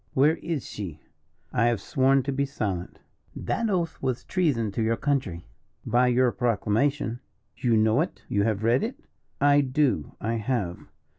"Where is she?" "I have sworn to be silent." "That oath was treason to your country." "By your proclamation." "You know it? You have read it?" "I do I have."